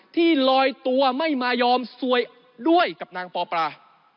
ที่ลอยตัวไม่มายอมสวยด้วยกับนางปอปรา